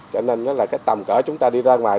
cho nên là cái tầm cỡ chúng ta đi ra ngoài